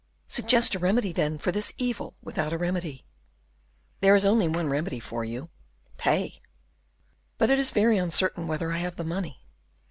"Suggest a remedy, then, for this evil without a remedy." "There is only one remedy for you, pay." "But it is very uncertain whether I have the money.